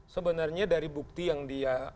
sebenarnya dari bukti yang dia